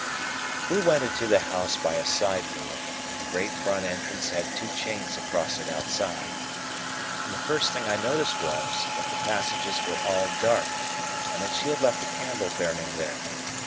We went into the house by a side door, the great front entrance had two chains across it outside,—and the first thing I noticed was, that the passages were all dark, and that she had left a candle burning there.